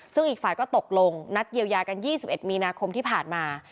ซึ่งอีกฝ่ายก็ตกลงนัดเยียวยากัน๒๑มีนาคมที่ผ่านมา